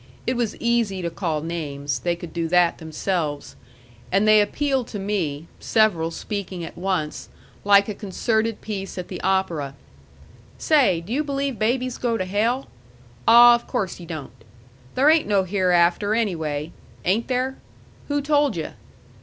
It was easy to call names; they could do that themselves. And they appealed to me, several speaking at once, like a concerted piece at the opera: "Say, do you believe babies go to hell?" "Ah, of course he don't." "There ain't no hereafter, anyway." "Ain't there?" "Who told yu'?"